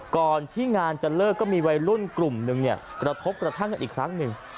ก่อนที่งานจะเลิกก็มีวัยรุ่นกลุ่มหนึ่งเนี่ยกระทบกระทั่งกันอีกครั้งหนึ่ง